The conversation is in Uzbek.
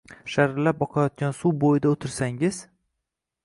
Sharillab oqayotgan suv bo‘yida o‘tirsangiz